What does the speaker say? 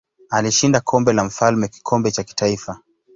Alishinda Kombe la Mfalme kikombe cha kitaifa.